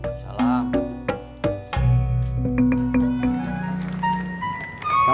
kamu udah makan